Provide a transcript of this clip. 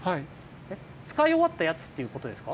使い終わったやつっていうことですか？